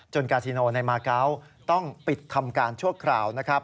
กาซิโนในมาเกาะต้องปิดทำการชั่วคราวนะครับ